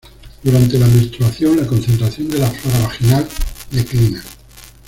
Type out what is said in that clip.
Durante la menstruación, la concentración de la flora vaginal declina.